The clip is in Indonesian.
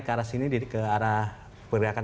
ke arah sini ke arah perbiakan